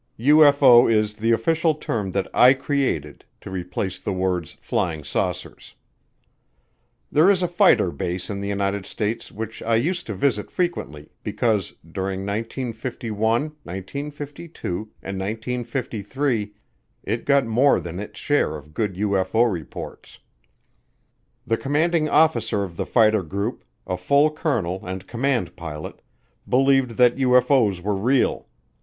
(UFO is the official term that I created to replace the words "flying saucers.") There is a fighter base in the United States which I used to visit frequently because, during 1951, 1952, and 1953, it got more than its share of good UFO reports. The commanding officer of the fighter group, a full colonel and command pilot, believed that UFO's were real.